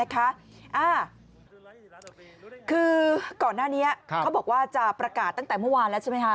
คือก่อนหน้านี้เขาบอกว่าจะประกาศตั้งแต่เมื่อวานแล้วใช่ไหมคะ